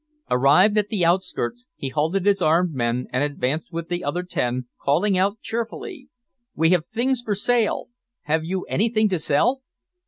Arrived at the outskirts, he halted his armed men, and advanced with the other ten, calling out cheerfully, "We have things for sale! have you anything to sell?"